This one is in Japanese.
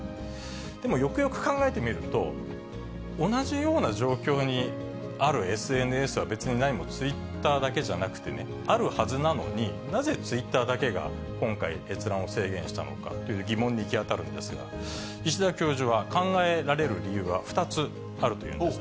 でもよくよく考えてみると、同じような状況にあるＳＮＳは別に何もツイッターだけじゃなくてね、あるはずなのに、なぜ、ツイッターだけが今回、閲覧を制限したのかっていう疑問に行き当たるんですが、石田教授は考えられる理由は２つあるというんです。